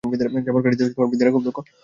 জাবর কাটিতেই বৃদ্ধেরা খুব দক্ষ।